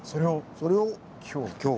それを今日。